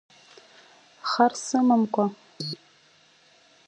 Хар сымамкәа…